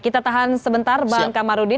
kita tahan sebentar bang kamarudin